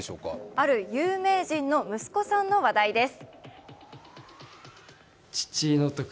ある有名人の息子さんの話題です。